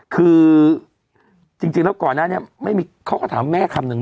คือจริงแล้วก่อนหน้านี้เขาก็ถามแม่คำนึง